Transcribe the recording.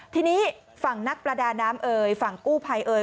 ทีนี้ฝั่งนักประดาน้ำเอ่ยฝั่งกู้ภัยเอ่ย